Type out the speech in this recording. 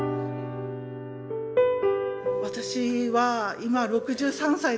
私は今６３歳です。